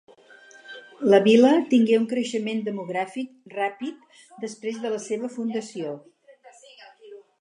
La vila tingué un creixement demogràfic ràpid després de la seva fundació.